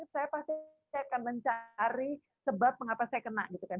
saya pasti akan mencari sebab mengapa saya kena gitu kan